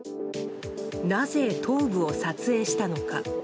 なぜ、頭部を撮影したのか。